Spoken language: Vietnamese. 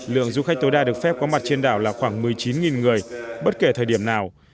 lượng du khách tối đa được phép có mặt trên đảo là khoảng một mươi chín người bất kể thời điểm nào